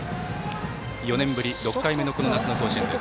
４年ぶり６回目の夏の甲子園です。